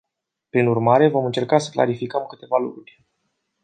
Prin urmare, vom încerca să clarificăm câteva lucruri.